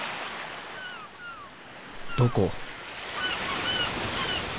どこ？